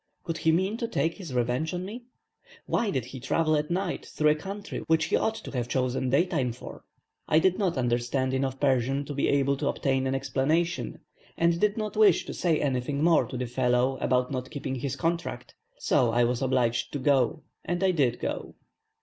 Could he mean to take his revenge on me? Why did he travel at night through a country which he ought to have chosen day time for? I did not understand enough Persian to be able to obtain an explanation, and did not wish to say anything more to the fellow about not keeping his contract, so I was obliged to go and I did go.